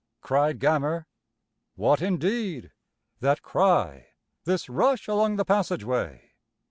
cried Gammer"] What, indeed! That cry this rush along the passageway!